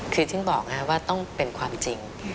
คือถึงบอกว่าต้องเป็นความจริง